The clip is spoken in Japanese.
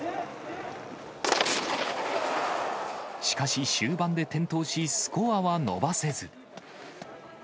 しかし、終盤で転倒し、スコアは伸ばせず。